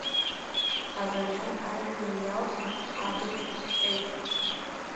Авариант ажәҩан иалҟьан, адыд ҭҟьеит…